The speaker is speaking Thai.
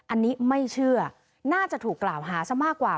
อันนี้ไม่เชื่อน่าจะถูกกล่าวหาซะมากกว่า